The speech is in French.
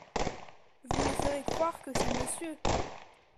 Vous me ferez croire que c’est Monsieur…